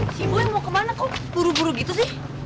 si gue mau ke mana kok buru buru gitu sih